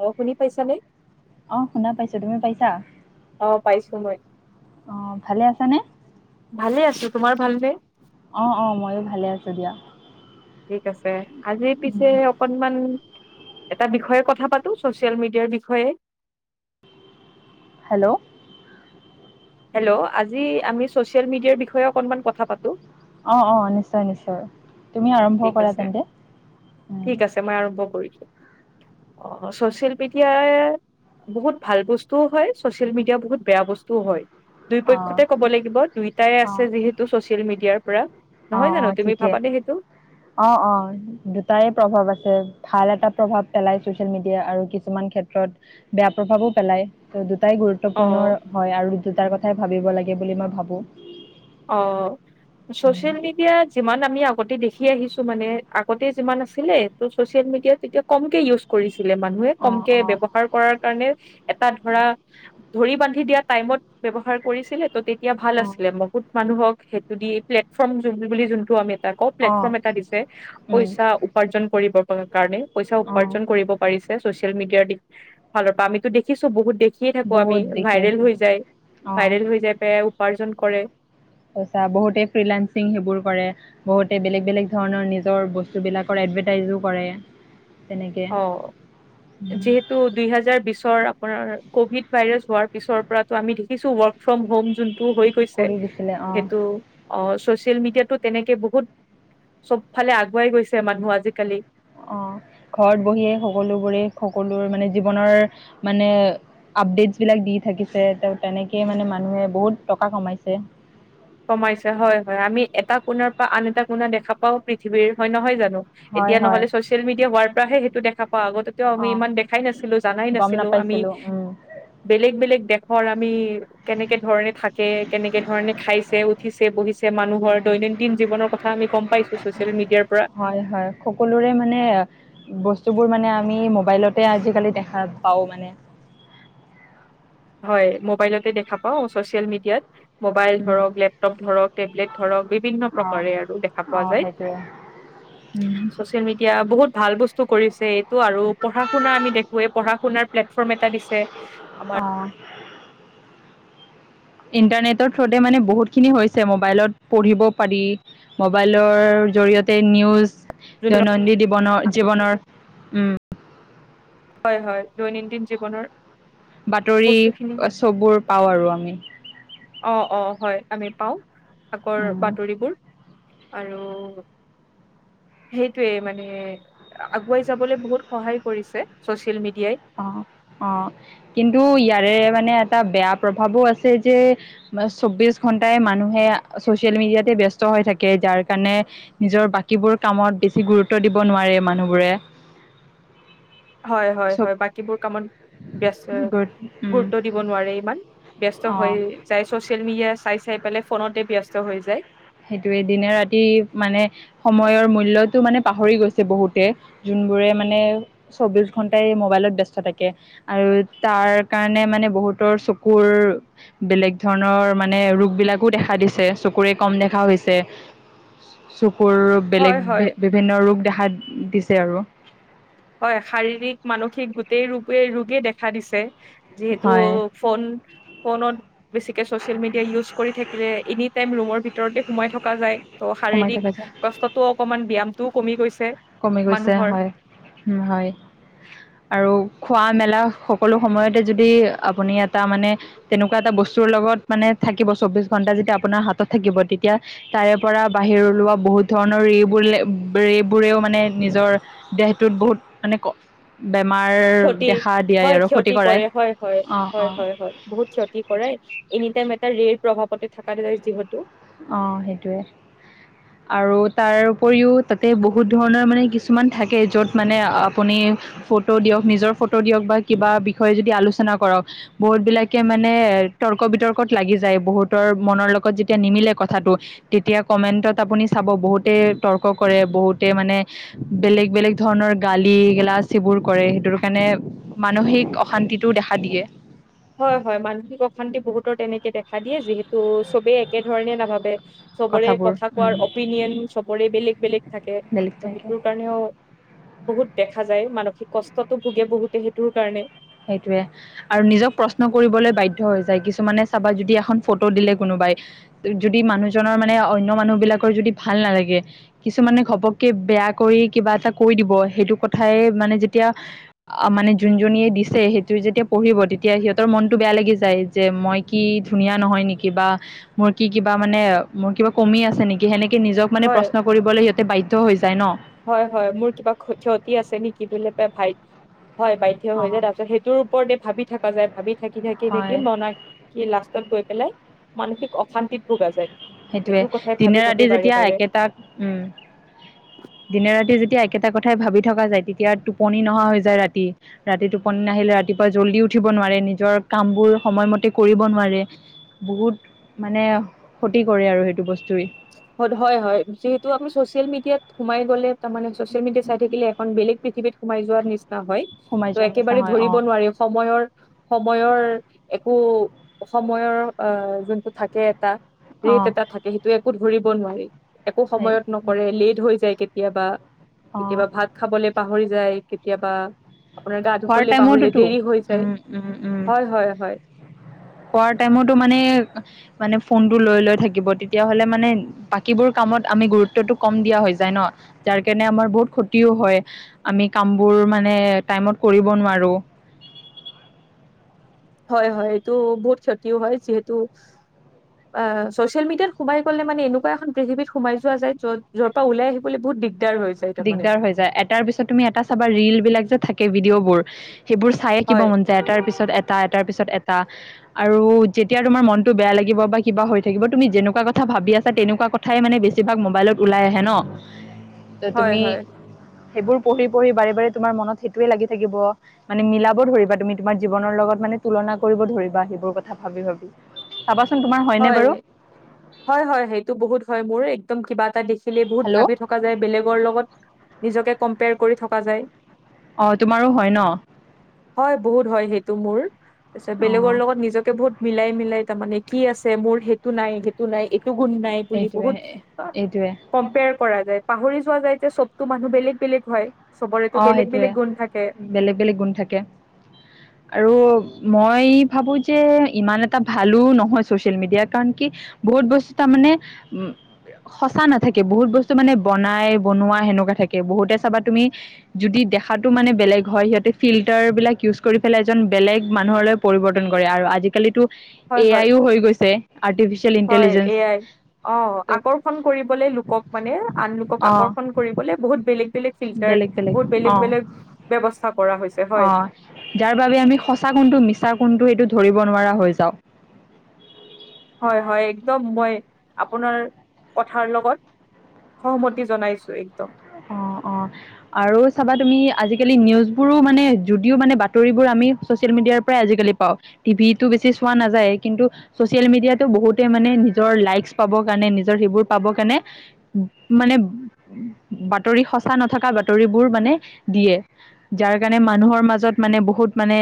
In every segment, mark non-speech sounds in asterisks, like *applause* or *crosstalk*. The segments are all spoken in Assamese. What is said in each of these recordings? অ', শুনি পাইছানে? অ', শুনা পাইছোঁ, তুমি পাইছা? অ', পাইছোঁ মই। অ', ভালে আছানে? ভালে আছোঁ, তোমাৰ ভালনে? অ', অ', ময়ো ভালে আছোঁ দিয়া। ঠিক আছে, আজি পিছে উম, অকনমান এটা বিষয়ে কথা পাতোঁ, ছচিয়েল মিডিয়াৰ বিষয়ে। হেল্ল'! হেল্ল'! আজি আমি ছচিয়েল মিডিয়াৰ বিষয়ে অকনমান কথা পাতোঁ। অ', অ', নিশ্চয়, নিশ্চয় তুমি আৰম্ভ কৰা তেন্তে উম। ত'‌ মই আৰম্ভ কৰিছোঁ, অ', ছচিয়েল মিডিয়াই বহুত ভাল বস্তুও হয়, ছচিয়েল মিডিয়া বহুত বেয়া বস্তুও হয়। অ', দুইপক্ষতে ক'ব লাগিব, দুইটাই আছে অ', যিহেতু ছচিয়েল মিডিয়াৰ পৰা। নহয় অ', অ', জানোঁ? তুমি ঠিকে ভাবানে সেইটো? অ', অ'। দুটাই প্ৰভাৱ আছে, ভাল এটা প্ৰভাৱ পেলাই ছচিয়েল মিডিয়া, আৰু কিছুমান ক্ষেত্ৰত বেয়া প্ৰভাৱো পেলাই, ত' দুটাই গুৰু গুৰুত্বপূৰ্ণৰ অ', হয়, আৰু দুটাৰ কথাই ভাবিব লাগে বুলি মই ভাবোঁ। অ'। চচিয়েল মিডিয়া যিমান আমি আগতে দেখি আহিছোঁ মানে, আগতে যিমান আছিলে ত' চচিয়েল মিডিয়াত তেতিয়া কমকে ইউজ কৰিছিলে মানুহে, অ', কমকে অ', ব্যৱহাৰ কৰাৰ কাৰণে এটা ধৰা ধৰি বান্ধি দিয়া টাইমত ব্যৱহাৰ কৰিছিলে। ত' তেত য়া ভাল অ', আছিলে, বহুত মানুহক সেইটো দি প্লেটফৰ্ম যোনটো বুলি যোনটো আমি *unintelligible* প্লেটফৰ্ম অ', এটা দিছে, উম, পইচা উ উপাৰ্জন কৰিব কাৰণে, পইচা অ', উপাৰ্জন কৰিব পাৰিছে, ছচিয়েল মিডিয়াৰ দি ফালৰ পৰা আমিতো‌ দেখিছোঁ, বহুত দে দেখিয়ে থাকোঁ আমি, বহুত দেখো ভাইৰেল উম। হৈ যায়, অ' ভাইৰেল হৈ যায় পেলাই উপাৰ্জন কৰে। সঁচা বহুতেই ফ্ৰি লানসিং সেইবোৰ কৰে। বহুতে বেলেগ, বেলেগ ধৰণৰ নিজৰ বস্তুবিলাকৰ এডভাৰটাইজো কৰে। তেনেকে অ', যিহে তু, দুই হাজাৰ বিছৰ আপোনাৰ ক'ভিড ভাইৰাছ হোৱাৰ পিছৰ পৰাতো আমি দেখিছোঁ ৱৰ্ক ফ্ৰম হ'ম যোনটো হৈ হৈছে, কৰি দিছিলে অ' সেইটো অ', ছচিয়েল মিডিয়াতো তেনেকে বহুত চব ফালে আগুৱাই গৈছে মানুহ আজিকালি। অ', ঘৰত বহিয়ে সকলোবোৰে‌ সকলোৰ মানে জীৱনৰ মানে আপডেটছ বিলাক দি থাকিছে, ত' তেনেকে মানে, মানুহে বহুত টকা কমাইছে। কমাইছে, হয়-হয়। আমি এটা কোণাৰ পৰা, আন এটা কোণা, দেখা পাও পৃথিৱীৰ হয়, নহয় জানো?। হয় এতিয়া হয় নহ'লে ছচিয়েল মিডিয়া হোৱাৰ পৰাহে সেইটো দেখা পাওঁ। আগতে অ' ইমান দেখাই নাছিলোঁ, জানাই গম নাছিলোঁ আমি। নাপাইছিলো উম বেলেগ-বেলেগ দেশৰ আমি, কেনেকে ধৰণে থাকে, কেনেকে ধৰণে খাইছ উঠিছে, বহিছে, মানুহৰ দৈনন্দিন জীৱনৰ কথা, আমি গম পাইছোঁ, ছচিয়েল মিডিয়াৰ পৰা। হয় হয়। সকলোৰে মানে, বস্তুবোৰ মানে আমি মোবাইলতে আজিকালি, দেখা পাওঁ মানে। হয়, মবাইলতে দেখা পাওঁ, ছচিয়েল মিডিয়াত। মোবাইল উম ধৰক, লেপটপ ধৰক টেবলেট ধৰক, বিভিন্ন অ', প্ৰকাৰে আৰু দেখা পোৱা অ', যায়। সেইটোৱে উম, চচিয়েল মিডিয়া, বহুত ভাল বস্তু কৰিছে এইটো, আৰু পঢ়া শুনা আমি দেখোৱেই, পঢ়া শুনাৰ প্লেটফৰ্ম এটা দিছে। আমাৰ অ। ইণ্টাৰনেটৰ থ্ৰোতে, মানে বহুত খিনি হৈছে মোবাইলত, পঢ়িব পাৰি মোবাইলৰ, জৰিয়তে নিউজ যোনবিলাক দৈনন্দিন দিৱনৰ, জীৱনৰ উম। হয় হয় দৈনন্দিন জীৱনৰ বাতৰি, বস্তুখিনি চববোৰ পাওঁ আৰু আমি। অ', অ', হয় আমি পাওঁ, আগৰ উম, বাতৰিবোৰ। আৰু সেইটোৱে মানে, আগুৱাই যাবলৈ বহুত সহায় কৰিছে। ছ'চিয়েল মিডিয়াই। অ', অ', কিন্তু, ইয়াৰে মানে এটা বেয়া প্ৰভাৱো আছে যে চৌবিশ ঘণ্টাই মানুহে, চচিয়েল মিডিয়াতে ব্যস্ত হৈ থাকে। যাৰ কাৰণে নিজৰ বাকীবোৰ কামত, বেছি গুৰুত্ব দিব নোৱাৰে মানুহবোৰে। চব হয়-হয়-হয়, বাকীবোৰ কামত ব্যস্ত, গুড উম গুৰুত্ব দিব নোৱাৰে ইমান, ব্যস্ত অ হৈ যাই, চচিয়েল মিডিয়া চাই-চাই পেলাই, ফোনতে ব্যস্ত হৈ যায়। সেইটোৱে, দিনে ৰাতি মানে সময়ৰ মূল্যটো মানে পাহৰি গৈছে বহুতে যোনবোৰে মানে চৌবিশ ঘণ্টাই মোবাইলত ব্যস্ত থাকে। আৰু তাৰ কাৰণে মানে বহুতৰ চকুৰ বেলেগ ধৰণৰ মানে ৰোগ বিলাকো দেখা দিছে চকুৰে কম দেখা গৈছে চকুৰ হয় বেলেগ হয় বিভিন্ন ৰোগ দেখা দিছে আৰু হয় শাৰীৰিক মানসিক গোটেই ৰোগে ৰোগেই দেখা দিছে যিহেতু হয় ফোন ফোনত বেছিকে ছচিয়েল মিডিয়া ইউজ কৰি থাকিলে এনি টাইম ৰুমৰ ভিতৰতে সোমাই থকা যায়। ত' সোমাই শাৰীৰিক থকা যায় কষ্টতো অকনমান ব্যায়ামটোও কমি গৈছে। কমি গৈছে মানুহৰ হয় উম হয়। আৰু খোৱা মেলা সকলো সময়তে যদি আপুনি এটা মানে তেনেকুৱা এটা বস্তুৰ লগত মানে থাকিব চৌবিশ ঘণ্টা যেতিয়া আপোনাৰ হাতত থাকিব তেতিয়া তাৰে পৰা বাহিৰ ওলোৱা বহুত ধৰণৰ ৰেবোৰ বোৰেও মানে নিজৰ দেহটোত বহুত মানে ক বেমাৰ ক্ষতি দেখা দিয়াই হয় আৰু ক্ষতি কৰাই কৰে হয় হয় অ হয় অ হয় হয় বহুত ক্ষ কি কৰে, এনি টাইম এটা ৰেল প্ৰভাৱতে থকা যিহেতু। অ', সেইটোৱে। *inaudible* আৰু তাৰ উপৰিও তাতে বহুত ধৰণৰ মানে কিছুমান থাকে, য'ত মানে আপুনি ফটো দিয়ক, নিজৰ ফটো দিয়ক, বা কিবা বিষয়ে যদি আলোচনা কৰক। বহুত বিলাকে মানে তৰ্ক বিতৰ্কত লাগি যায়, বহুতৰ মনৰ লগত যে তিয়া নিমিলে কথাটো, তেতিয়া কমেণ্টত আপুনি চাব, বহুতে তৰ্ক কৰে, বহুতে মানে বেলেগ, বেলেগ ধৰণৰ গালি, গিলাচ সেইবোৰ কৰে, সেইটোৰ কাৰণে মানসিক অশান্তিটোও দেখা দিয়ে। হয়, হয়, মানসিক অশান্তি বহুতৰ তেনেকে দেখা দিয়ে, যিহেতু চবেই একে ধৰণে নাভাবে। চবৰে কথাবোৰ কথা উম কোৱাৰ অপিনিয়ন চবৰে বেলেগ, বেলেগ থাকে, বেলেগ ত' ঠাইত সেইটোৰ কাৰণেও বহুত দেখা যায়, মানসিক কষ্টতটো ভোগে বহুতে সেইটোৰ কাৰণে। সেইটোয়ে। আৰু নিজক প্ৰশ্ন কৰিবলৈ বাধ্য হৈ যায়, কিছুমানে চাবা, যদি এখন ফটো দিলে কোনোবাই যদি মানুহজনৰ মানে অনন্য মানুহ বিলাকৰ যদি ভাল নালাগে। কিছুমানে ঘপককে বেয়া কৰি কিবা এটা কৈ দিব, সেইটো কথাই মানে যেতিয়া অ', মানে যোনজনীয়ে দিছে সেইটো যেতিয়া পঢ়িব, তেতিয়া সিহঁতৰ মনটো বেয়া লাগি যায়, যে মই কি ধুনীয়া নহয় নেকি, বা মোৰ কি কিবা মানে, মোৰ কিবা কমি আছে নেকি, সেনেকে নিজক মানে হয় প্ৰশ্ন কৰিবলৈ সিহঁতে বাধ্য হৈ যায় ন'। হয়, হয়, মোৰ কিবা ক্ষতি আছে নেকি বুলি পাই ভাইট হয়, বাধ্য অ হৈ যায়, তাৰ পিছত সেইটোৰ ওপৰতে ভাবি থকা যায়, ভাবি থাকি, থাকি, হয় থাকি মন কি লাষ্টত গৈ পেলাই, মানসিক অশান্তিত ভোগা যায়। সেইটোৱে, সেইটোৰ কথাই ভাবি দিনে ভাবি ৰাতি বাৰে যেতিয়া বাৰে একেটাক, উম। দিনে ৰাতি যেতিয়া একেটা কথাই ভাবি থকা যায়, তেতিয়া টোপনি নহা হৈ যায় ৰাতি। ৰাতি টোপনী নাহিলে ৰাতিপুৱা জল্দি উঠিব নোৱাৰে, নিজৰ কাম বোৰ সময়মতে কৰিব নোৱাৰে। বহুত মানে ক্ষতি কৰে আৰু সেইটো বস্তুৱে। হয়, হয়, যিহেতু আমি চছিয়েল মিডিয়াত সোমাই গ'লে তাৰমানে চছিয়েল মিডিয়াত চাই থাকিলে এখন বেলেগ পৃথিৱীত সোমাই যোৱাৰ নিচিনা হয়, সোমাই ত' যোৱা নিচিনা একেবাৰে হয় অ ধৰিব নোৱাৰি, সময়ৰ সময়ৰ একো সময়ৰ আ, যোনটো থাকে এটা। অ ৰেট এটা থাকে, সেইটো একোত ধৰিব নোৱাৰি, একো সময়ত নকৰে, লেট হৈ যায় কেতিয়াবা। অ কেতিয়াবা ভাত খাবলৈ পাহৰি যায়, কেতিয়াবা আপোনাৰ গা খোৱাৰ ধুবলে পাহৰেই, টাইমতোতো দেৰি হৈ যায়, উম উম উম হয় হয় হয়। খোৱাৰ টাইমতো মানে- মানে ফোনটো লৈ লৈ থাকিব, তেতিয়া হ'লে মানে বাকীবোৰ কামত আমি গুৰুত্বটো কম দিয়া হৈ যায় ন, যাৰ কাৰণে আমাৰ বহুত ক্ষতিও হয়। আমি কামবোৰ মানে টাইমত কৰিব নোৱাৰো। হয়, হয় এইটো বহুত ক্ষতিও হয়, যিহেতু অ' চ'ছিয়েল মিডিয়াত সোমাই গ'লে মানে, এনেকুৱা এখন পৃথিৱীত সোমাই যোৱা যায় যত যৰ পৰা ওলাই আহিবলৈ বহুত দিগদাৰ হৈ যায় তাৰমানে। দিগদাৰ হৈ যায়, এটাৰ পিছত তুমি এটা চাবা ৰিল বিলাক যে থাকে, ভিডিঅ' বোৰ সেইবোৰ চাইয়ে কিবা হয়, মন এটাৰ পিছত এটা, এটাৰ পিছত এটা। আৰু যেতিয়া তোমাৰ মনটো বেয়া লাগিব বা কিবা হৈ থাকিব, তুমি যেনেকুৱা কথা ভাবি আছা তেনেকুৱা কথা ঠাই মানে বেছিভাগ মোবাইলত ওলাই আহে ন। ত হয়, তুমি হয়, সেইবোৰ পঢ়ি পঢ়ি বাৰে বাৰে তোমাৰ মনত সেইটোয়ে লাগি থাকিব। মানে মিলাব ধৰিবা তুমি তোমাৰ জীৱনৰ লগত মানে তুলনা কৰিব ধৰিবা, সেইবোৰ কথা ভাবি ভাবি। চাবাচোন তোমাৰ হয়নে হয়। বাৰু? হয় হয়। সেইটো বহুত হয়, মোৰ একদম কিবা এটা দেখিলে বহুত হেল্ল' ভাবি থক থকা যায়, বেলেগৰ লগত নিজকে কম্পেয়াৰ কৰি থকা যায়। অঁ তোমাৰো হয় ন? হয়, বহুত হয় সেইটো মোৰ, তাৰপিছত অ বেলেগৰ লগত নিজকে বহুত মিলাই মিলাই তাৰমানে কি আছে মোৰ সেইটো নাই সেইটো এইটো গুণ নাই বুলি এইটোৱে বহুত এইটোৱে কম্পেয়াৰ কৰা যায়, পাহৰি যোৱা যায়, যে চবতো মানুহ বেলেগ বেলেগ হয়। অ চবৰেতো বেলেগ সেইটোৱে বেলেগ গুণ থাকে। বেলেগ, বেলেগ গুণ থাকে। *inaudible* আৰু মই ভাবো যে ইমান এটা ভালো নহয়, ছ'চিয়েল মিডিয়া কাৰণ কি বহুত বস্তু তাৰমানে উ সঁচা নাথাকে, বহুত বস্তু মানে বনাই, বনোৱাই সেনেকুৱা থাকে, বহুতে চাবা তুমি যদি দেখাটো মানে বেলেগ হয়, সিহঁতে ফিল্টাৰ বিলাক ইউজ কৰি পেলাই, এজন বেলেগ মানুহলৈ পৰিৱৰ্তন কৰে আৰু আজিকালিতো হয়, এ হয়। আইও হৈ গৈছে আৰ্টিফিচিয়েল হয় ইণ্টেলিজেঞ্চ। এয়াই অ ত' আকৰ্ষণ কৰিবলে লোকক মানে আন লোকক অঁ আকৰ্ষণ কৰিবলে বহুত বেলেগ বেলেগ ফিল্টাৰ, বেলেগ বহুত বেলেগ অঁ বেলেগ ব্যয়স্থা কৰা হৈছে হয়। অঁ যাৰ আমি সঁচা কোনটো, মিছা কোনটো, এইটো ধৰিব নোৱাৰা হৈ যাওঁ। হয় হয় একদম মই আপোনাৰ কথাৰ লগত সহমতি জনাইছো একদম। অ', অ'। আৰু চাবা তুমি আজিকালি নিউজবোৰো মানে জুদিও মানে বাতৰিবোৰ আমি ছ'চিয়েল মিডিয়াৰ প্ৰায় আজিকালি পাওঁ, টিভিটো বেছি চোৱা নাযায়, কিন্তু ছচিয়েল মিডিয়াতো বহুতে মানে নিজৰ লাইকচ পাবৰ কাৰণে, নিজৰ সেইবোৰ পাবৰ কাৰণে মানে, বাতৰি সঁচা নথকা বাতৰিবোৰ মানে দিয়ে। যাৰ কাৰণে, মানুহৰ মাজত মানে, বহুত মানে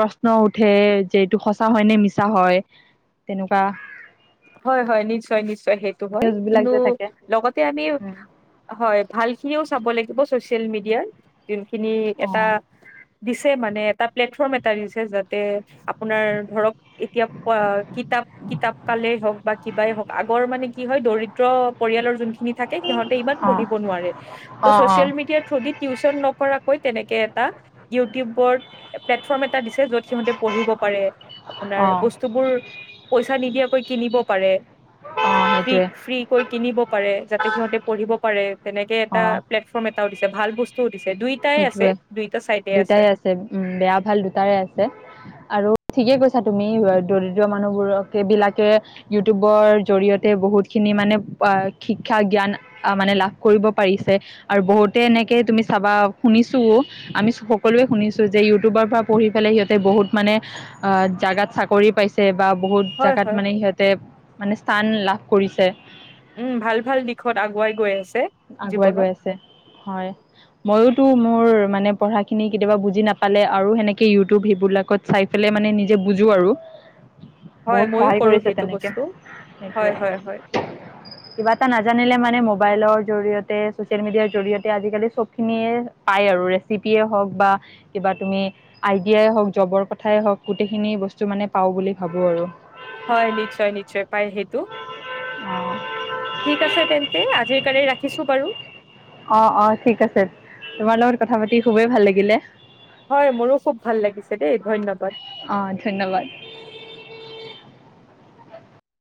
প্ৰশ্ন উঠে, যে এইটো সঁচা হয়, নে মিছা হয় তেনকুৱা। হয়, হয় নিশ্চয়, নিশ্চয় সেইটো হয়, নিউজবিলাক যে থাকে। লগতে আমি উম, হয়, ভালখিনিও চাব লাগিব ছ'চিয়েল মিডিয়াত। যোনখিনি এটা অ', দিছে মানে, এটা প্লেটফৰ্ম এ *inaudible* দিছে যাতে আপোনাৰ ধৰক এতিয়া পোৱা কিতাপ, কিতাপ কালে হওক বা কিবাই হওক আগৰ মানে কি হয় দৰিদ্ৰ পৰিয়ালৰ যোনখিনি থাকে সিহঁতে ইমান অ', পঢ়িব নোৱাৰে! ত' অ', অ', ছচিয়েল অ', মিডিয়াৰ থ্ৰু দি টিউচন নকৰাকৈ তেনেকে এটা ইউটিউবৰ প্লেটফৰ্ম এটা দিছে য'ত সিহঁতে পঢ়িব পাৰে। আপোনাৰ অ', বস্তুবোৰ, পইচা নিদিয়াকৈ কিনিব পাৰে, সেইটোৱে। ফ্ৰী-ফ্ৰী কৈ কিনিব পাৰে, যাতে সিহঁতে পঢ়িব পাৰে, তেনেকে অ এটা, প্লেটফৰ্ম এটাও দিছে, ভাল বস্তু দিছে, দুইটাই আছে, সেইটোৱে দুইটা চাইডে দুটাই আছে। উম, বেয়া ভাল দুটাৰে আছে। আৰু ঠিকে কৈছা তুমি, দৰিদ্ৰ মানুহবোৰক এইবিলাকে ইউটিউবৰ, জৰিয়তে বহুতখিনি মানে, শিক্ষা জ্ঞান আহ মানে, লাভ কৰিব পাৰিছে, আৰু বহুতে, এনেকে তুমি চাবা শুনিছোঁও, আমি সকলোৱে শুনিছোঁ যে ইউটিউবৰ পৰা পঢ়ি পেলাই সিহঁতে বহুত মানে আ, জাগাত চাকৰি পাইছে, বা বহুত হয় জাগাত হয় মানে সিহঁতে, মানে স্থান লাভ কৰিছে। উম, ভাল-ভাল দিশত আগুৱাই গৈ আছে, আগুৱাই গৈ জীৱনত। আছে হয়, মইয়ো টো মোৰ, মানে পঢ়াখিনি কেতিয়াবা বুজি নাপালে, আৰু সেনেকৈ ইউটিউব সেইবিলাকত চাই পেলাই, মানে নিজে বুজো আৰু। হয়, বহুত ময়ো সহায় কৰোঁ কৰিছে সেইটো তেনেকে বস্তু। সেইটোৱে হয়, হয়। কিবা এটা নাজানিলে মানে, মোবাইলৰ জৰিয়তে, চছিয়েল মিডিয়া জৰিয়তে, আজিকালি চব খিনিয়ে পায় আৰু, ৰেফিপিয়ে হওক বা কিবা তুমি, আইডিয়াই হওঁক, জবৰ কথাই হওঁক, গোটেইখিনি বস্তু মানে পাওঁ বুলি ভাবো আৰু। হয়, নিশ্চয়, নিশ্চয় পাই সেইটো। ঠিক আছে তেন্তে, আজিৰ কাৰনে, ৰাখিছো বাৰু। অ', অ', ঠিক আছে, তোমাৰ লগত কথা পাতি, খুবেই ভাল লাগিলে। হয়, মোৰো খুব ভাল লাগিছে দেই, ধন্যবাদ। অ', ধন্যবাদ।